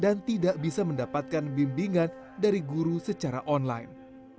dan tidak bisa mendapatkan bimbingan dari guru secara online